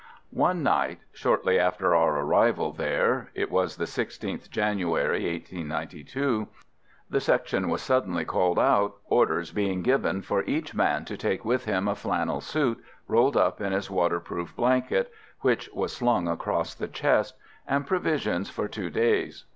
One night, shortly after our arrival there it was the 16th January, 1892 the section was suddenly called out, orders being given for each man to take with him a flannel suit, rolled up in his waterproof blanket which was slung across the chest and provisions for two days.